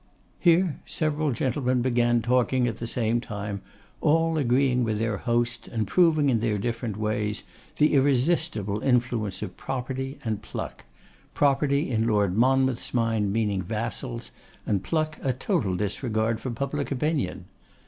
Here several gentlemen began talking at the same time, all agreeing with their host, and proving in their different ways, the irresistible influence of property and pluck; property in Lord Monmouth's mind meaning vassals, and pluck a total disregard for public opinion.